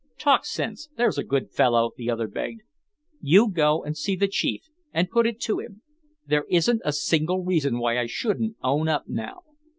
"Talk sense, there's a good fellow," the other begged. "You go and see the Chief and put it to him. There isn't a single reason why I shouldn't own up now."